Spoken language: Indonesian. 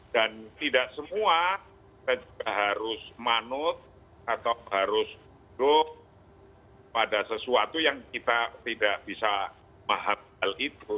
dan tidak semua kita juga harus manut atau harus duk pada sesuatu yang kita tidak bisa mahal itu